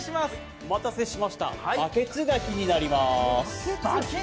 お待たせしましたバケツ牡蠣になります。